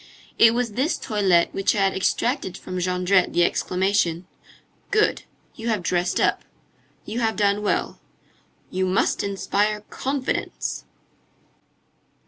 It was this toilette which had extracted from Jondrette the exclamation: "Good! You have dressed up. You have done well. You must inspire confidence!"